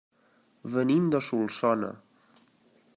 Venim de Solsona.